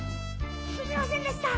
すみませんでした！